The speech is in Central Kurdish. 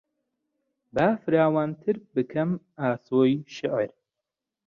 با فراوانتر بکەم ئاسۆی شێعر